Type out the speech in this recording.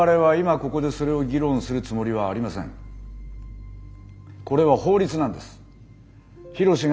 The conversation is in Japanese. これは法律なんです。